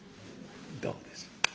どうです？